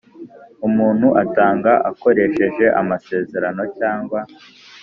umuntu atanga akoresheje amasezerano cyangwa